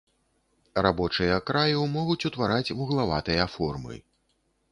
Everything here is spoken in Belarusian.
Рабочыя краю могуць утвараць вуглаватыя формы.